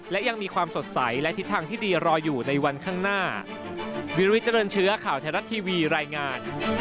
และยังมีความสดใสและทิศทางที่ดีรออยู่ในวันข้างหน้า